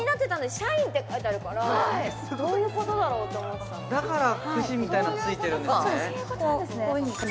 シャインって書いてあるからどういうことだろうって思ってだからくしみたいなついてるんですね